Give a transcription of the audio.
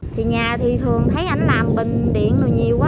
thì nhà thì thường thấy anh làm bình điện rồi nhiều quá